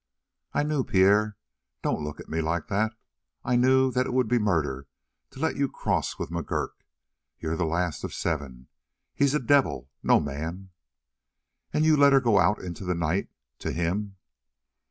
"I knew Pierre don't look at me like that I knew that it would be murder to let you cross with McGurk. You're the last of seven he's a devil no man " "And you let her go out into the night to him."